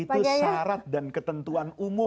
itu syarat dan ketentuan umum